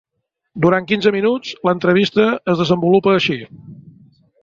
Durant quinze minuts l’entrevista es desenvolupa així.